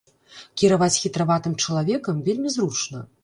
Кіраваць хітраватым чалавекам вельмі зручна.